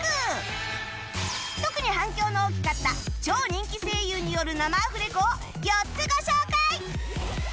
特に反響の大きかった超人気声優による生アフレコを４つご紹介！